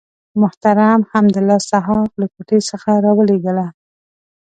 محترم حمدالله صحاف له کوټې څخه راولېږله.